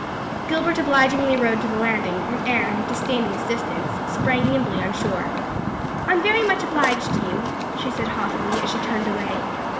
Gilbert obligingly rowed to the landing and Anne, disdaining assistance, sprang nimbly on shore. "I'm very much obliged to you," she said haughtily as she turned away.